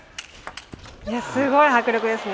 すごい迫力ですね。